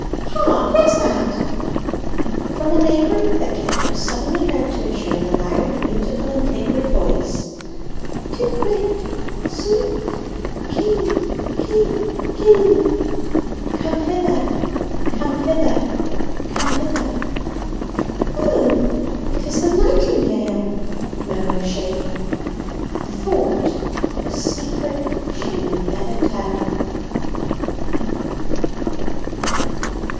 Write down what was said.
"Hark! what's that?" From a neighbouring thicket was suddenly heard to issue in a loud, musical, and liquid voice "Tippiwit! swe e et! ki ki ki! Come hither, come hither, come hither!" "O, 'tis the nightingale," murmured she, and thought of a secret she would never tell.